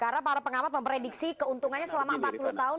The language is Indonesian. karena para pengamat memprediksi keuntungannya selama empat puluh tahun